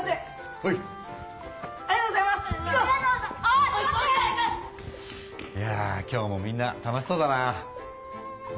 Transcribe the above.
いやぁ今日もみんな楽しそうだな。